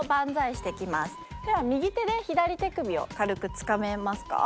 では右手で左手首を軽くつかめますか？